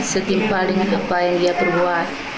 setimpal dengan apa yang dia perbuat